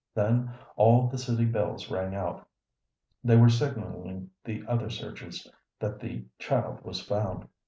Then all the city bells rang out. They were signalling the other searchers that the child was found.